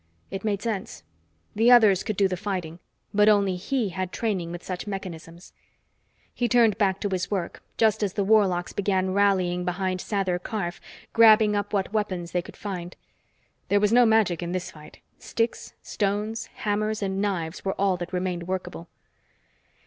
It made sense. The others could do the fighting, but only he had training with such mechanisms. He turned back to his work, just as the warlocks began rallying behind Sather Karf, grabbing up what weapons they could find. There was no magic in this fight. Sticks, stones, hammers and knives were all that remained workable.